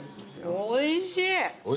おいしい？